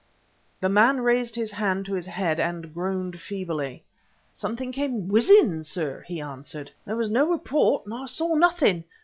The man raised his hand to his head and groaned feebly. "Something came whizzing, sir," he answered. "There was no report, and I saw nothing.